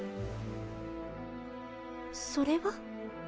それは？